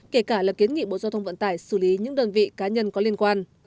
kể cả là kiến nghị bộ giao thông vận tải xử lý những đơn vị cá nhân có liên quan